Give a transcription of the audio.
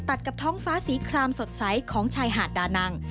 ตัดกับท้องฟ้าสีครามสดใสของชายหาดดานัง